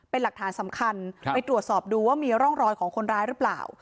เป็นหลักฐานสำคัญไปตรวจสอบดูว่ามีร่องรอยของคนร้ายหรือเปล่า